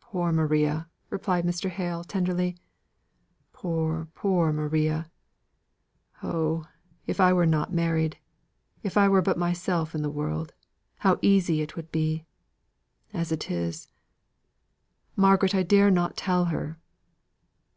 "Poor Maria!" replied Mr. Hale tenderly. "Poor, poor Maria! Oh, if I were not married if I were but myself in the world, how easy it would be! As it is Margaret, I dare not tell her!"